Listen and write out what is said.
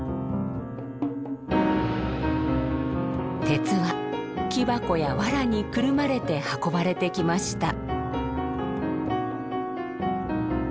鉄は木箱や藁にくるまれて運ばれてきました。